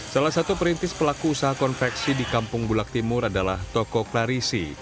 salah satu perintis pelaku usaha konveksi di kampung bulak timur adalah toko klarisi